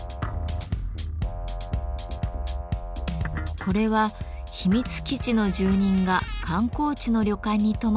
これは「秘密基地の住人が観光地の旅館に泊まったら」という作品。